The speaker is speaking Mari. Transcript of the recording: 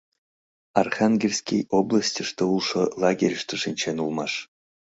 Архангельский областьыште улшо лагерьыште шинчен улмаш.